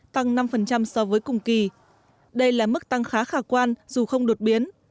tăng năm so với cùng kỳ đây là mức tăng khá khả quan dù không đột biến